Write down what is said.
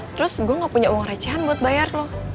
terus gue nggak punya uang recehan buat bayar lo